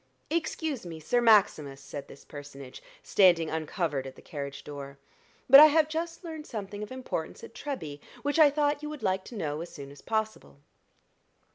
"Excuse me, Sir Maximus," said this personage, standing uncovered at the carriage door, "but I have just learned something of importance at Treby, which I thought you would like to know as soon as possible."